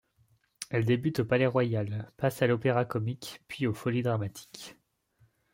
Elle débute au Palais-Royal, passe à l'Opéra-Comique, puis aux Folies-Dramatiques.